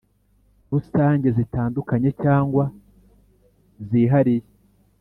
Rusange zitandukanye cyangwa zihariye